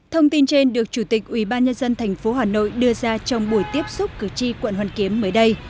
thông tin trên được chủ tịch ủy ban nhân dân tp hà nội đưa ra trong buổi tiếp xúc cử tri quận hoàn kiếm mới đây